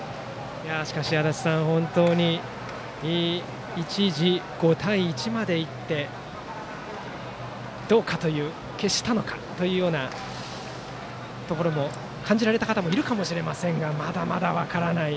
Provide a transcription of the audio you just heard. しかし足達さん、本当に一時、５対１までいってどうかという決したのかというところも感じられた方もいるかもしれませんがまだまだ分からない